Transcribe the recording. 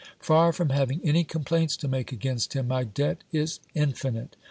Far from having any complaints to make against him, my debt is infinite.